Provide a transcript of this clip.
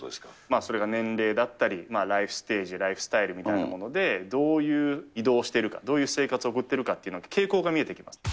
それが年齢だったり、ライフステージ、ライフスタイルみたいなものでどういう移動をしているか、どういう生活を送っているかっていうのは、傾向が見えてきます。